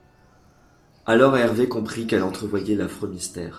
Alors Hervé comprit qu’elle entrevoyait l’affreux mystère.